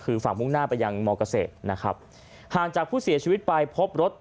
คือฝั่งมุ่งหน้าไปยังมเกษตรนะครับห่างจากผู้เสียชีวิตไปพบรถ